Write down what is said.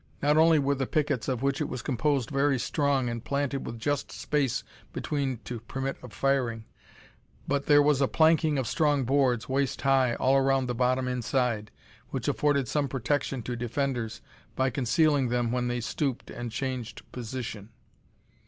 Not only were the pickets of which it was composed very strong and planted with just space between to permit of firing, but there was a planking of strong boards, waist high, all round the bottom inside, which afforded some protection to defenders by concealing them when they stooped and changed position.